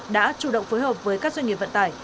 đã chủ động phối hợp với các doanh nghiệp vận tải